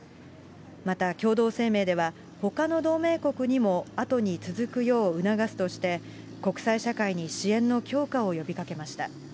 また共同声明では、ほかの同盟国にもあとに続くよう促すとして、国際社会に支援の強化を呼びかけました。